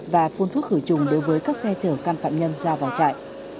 và phun thuốc khử trùng đối với các xe chở can phạm nhân ra vào trại